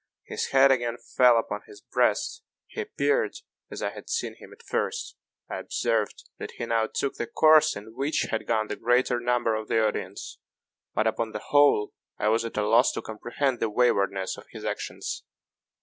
His head again fell upon his breast; he appeared as I had seen him at first. I observed that he now took the course in which had gone the greater number of the audience but, upon the whole, I was at a loss to comprehend the waywardness of his actions.